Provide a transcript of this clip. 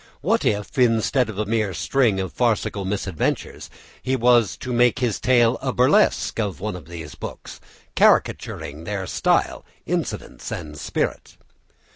What, if instead of a mere string of farcical misadventures, he were to make his tale a burlesque of one of these books, caricaturing their style, incidents, and spirit?